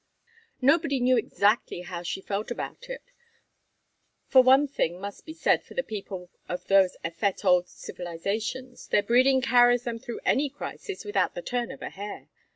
Nobody knew exactly how she felt about it, for one thing must be said for the people of those effete old civilizations: their breeding carries them through any crisis without the turn of a hair.